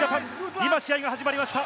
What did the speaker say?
今、試合が始まりました。